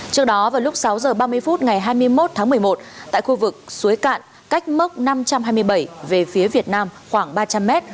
trước đó vào lúc sáu h ba mươi phút ngày hai mươi một tháng một mươi một tại khu vực suối cạn cách mốc năm trăm hai mươi bảy về phía việt nam khoảng ba trăm linh m